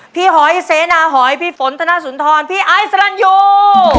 พี่หอยเสนาหอยพี่ฝนธนาสุนทรพี่อายสรรยู